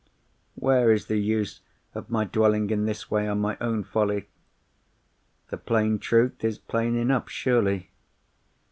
"Where is the use of my dwelling in this way on my own folly? The plain truth is plain enough, surely?